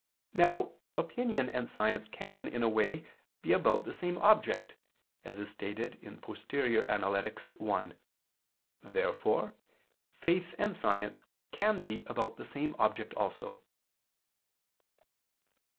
Now opinion and science can, in a way, be about the same object, as stated in Poster. i. Therefore faith and science can be about the same object also.